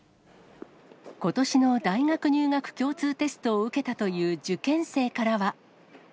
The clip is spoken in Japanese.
ことしの大学入学共通テストを受けたという受験生からは。